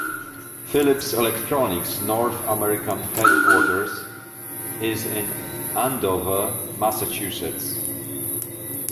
Philips' Electronics North American headquarters is in Andover, Massachusetts.